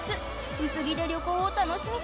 薄着で旅行を楽しみたい！